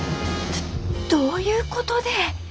どういうことでえ？